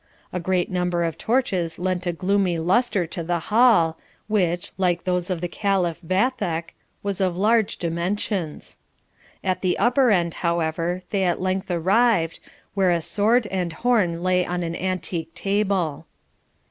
A great number of torches lent a gloomy lustre to the hall, which, like those of the Caliph Vathek, was of large dimensions. At the upper end, however, they at length arrived, where a sword and horn lay on an antique table.